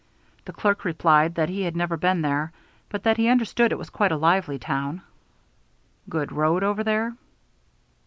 The clerk replied that he had never been there, but that he understood it was quite a lively town. "Good road over there?"